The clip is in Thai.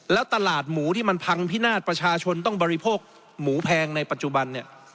แล้วตลาดหมูที่มันพังพินาศประชาชนต้องบริโภคหมูแพงในปัจจุบันเนี่ย